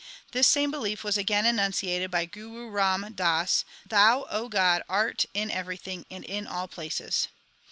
This same belief was again enunciated by Guru Ram Das, Thou, O God, art in everything and in all places.